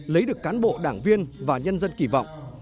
lấy được cán bộ đảng viên và nhân dân kỳ vọng